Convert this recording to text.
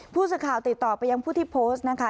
ผู้สื่อข่าวติดต่อไปยังผู้ที่โพสต์นะคะ